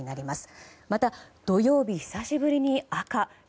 また土曜日、久しぶりに赤。